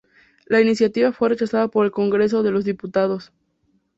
La iniciativa fue rechazada por el Congreso de los Diputados.